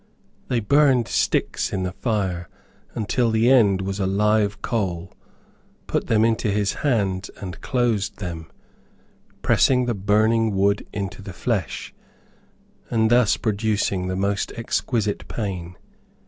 They burned sticks in the fire until the end was a live coal, put them into his hands and closed them, pressing the burning wood into the flesh, and thus producing the most exquisite pain.